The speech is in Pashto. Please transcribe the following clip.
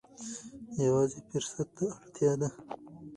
یوازې فرصت ته اړتیا ده.